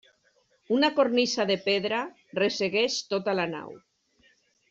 Una cornisa de pedra ressegueix tota la nau.